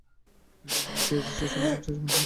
এটি অ্যাসোসিয়েশনের সবচেয়ে সম্মানজনক পুরস্কার।